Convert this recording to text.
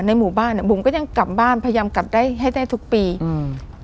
หมู่บ้านเนี้ยบุ๋มก็ยังกลับบ้านพยายามกลับได้ให้ได้ทุกปีอืม